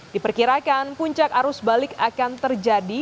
diperkirakan puncak arus balik akan terjadi